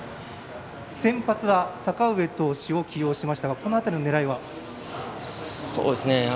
先発は阪上投手を起用しましたがこの辺りの狙いは？